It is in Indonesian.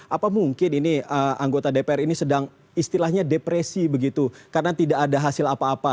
apa mungkin ini anggota dpr ini sedang istilahnya depresi begitu karena tidak ada hasil apa apa